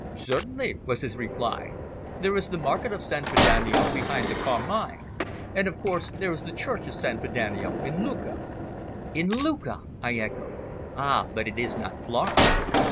"Certainly," was his reply. "There is the market of San Frediano behind the Carmine. And, of course, there is the Church of San Frediano in Lucca." "In Lucca!" I echoed. "Ah, but it is not Florence."